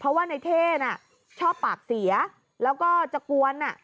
เพราะว่าในเท่น่ะชอบปากเสียแล้วก็จะกวน